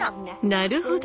なるほど！